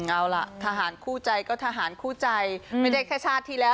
เอาล่ะทหารคู่ใจก็ทหารคู่ใจไม่ได้แค่ชาติที่แล้ว